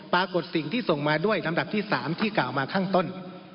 ปรากฏสิ่งที่ส่งมาด้วยลำดับที่๓ที่กล่าวมาข้างต้น